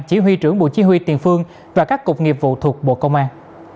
chỉ huy trưởng bộ chí huy tiền phương và các cục nghiệp vụ thuộc bộ công an